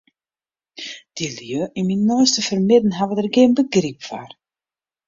De lju yn myn neiste fermidden hawwe dêr gjin begryp foar.